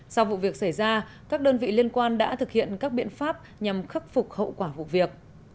sau vụ việc xảy ra các đơn vị liên quan đã thực hiện các biện pháp nhằm khắc phục hậu quả vụ việc